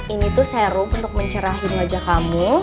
ini tuh serum untuk mencerahin wajah kamu